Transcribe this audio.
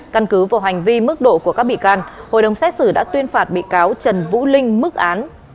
căn cứ vào hành vi mức độ của các bị can hội đồng xét xử đã tuyên phạt bị cáo trần vũ linh mức án